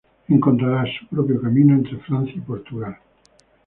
Encontrará su propio camino entre Francia y Portugal.